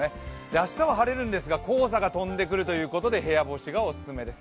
明日は晴れるんですが黄砂が飛んでくるということで部屋干しがお勧めです。